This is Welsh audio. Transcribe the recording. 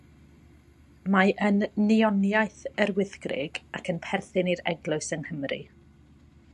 Mae yn neoniaeth Yr Wyddgrug, ac yn perthyn i'r Eglwys yng Nghymru.